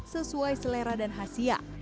sesuai selera dan khasiat